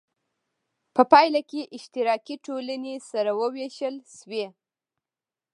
په پایله کې اشتراکي ټولنې سره وویشل شوې.